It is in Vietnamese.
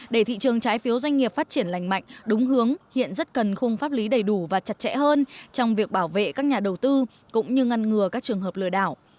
để thị trường trái phiếu doanh nghiệp phát triển lành mạnh đúng hướng hiện rất cần khung pháp lý đầy đủ và chặt chẽ hơn trong việc bảo vệ các nhà đầu tư cũng như ngăn ngừa các trường hợp lừa đảo